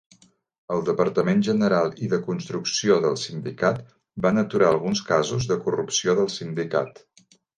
El departament General i de Construcció del sindicat van aturar alguns casos de corrupció del sindicat.